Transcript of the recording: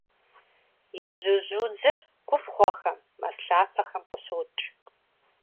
Ежьужьудзыр губгъуэхэм, мэз лъапэхэм къыщокӏ.